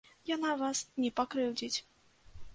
Яна вас не пакрыўдзіць.